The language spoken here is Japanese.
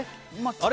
あれ？